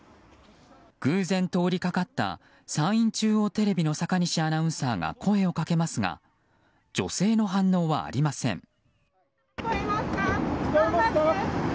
偶然通りかかったさんいん中央テレビの坂西アナウンサーが声をかけますが女性の反応はありません。